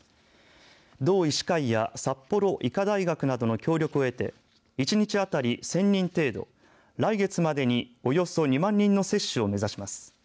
道医師会や札幌医科大学などの協力を得て１日当たり１０００人程度来月までにおよそ２万人の接種を目指します。